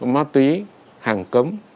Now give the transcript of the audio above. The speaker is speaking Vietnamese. má túy hàng cấm